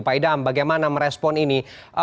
pak idam bagaimana merespon ini